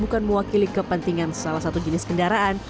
bukan mewakili kepentingan salah satu jenis kendaraan